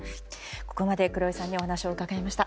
ここまで黒井さんにお話を伺いました。